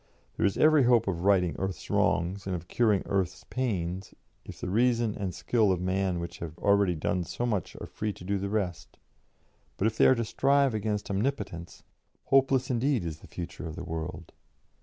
There is every hope of righting earth's wrongs and of curing earth's pains if the reason and skill of man which have already done so much are free to do the rest; but if they are to strive against omnipotence, hopeless indeed is the future of the world.